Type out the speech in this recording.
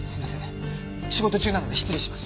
仕事中なので失礼します。